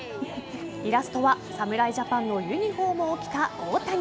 イラストは侍ジャパンのユニホームを着た大谷。